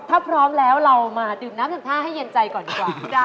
ถ้าพร้อมแล้วเรามาดื่มน้ำสัมภาษณ์ให้เย็นใจก่อนดีกว่าได้ค่ะ